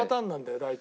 大体。